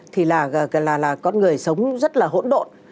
thì là con người sống rất là hỗn độn